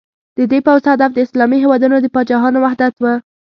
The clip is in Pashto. د دې پوځ هدف د اسلامي هېوادونو د پاچاهانو وحدت و.